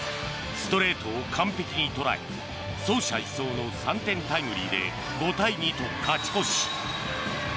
ストレートを完璧に捉え走者一掃の３点タイムリーで５対２と勝ち越し。